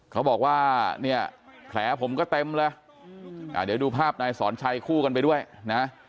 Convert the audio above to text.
เขาบอกว่าเนี่ยแผลผมก็เต็มเลยเดี๋ยวดูภาพนายสอนชัยคู่กันไปด้วยนะ